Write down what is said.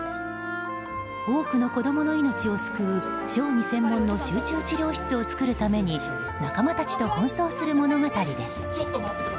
多くの子供の命を救う小児専門の集中治療室を作るために仲間たちと奔走する物語です。